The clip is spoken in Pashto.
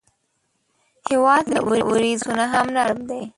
هیواد مې له وریځو نه هم نرم دی